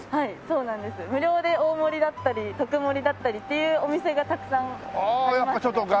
無料で大盛りだったり特盛りだったりっていうお店がたくさんありますね。